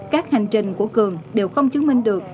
các hành trình của cường đều không chứng minh được